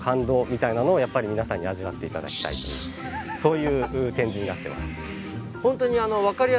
そういう展示になってます。